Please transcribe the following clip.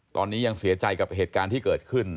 ตอนนี้ยังเสียใจกับเหตุการณ์ที่เกิดขึ้น